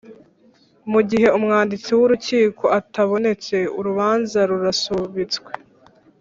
Mu gihe umwanditsi wurukiko atabonetse urubanza rurasubitswe